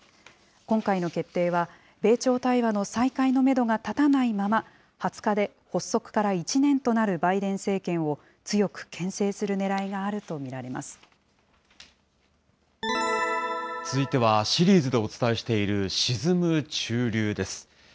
今回の決定は、米朝対話の再開のメドが立たないまま、２０日で発足から１年となるバイデン政権を強くけん制するねらい続いては、シリーズでお伝えしている、沈む中流です。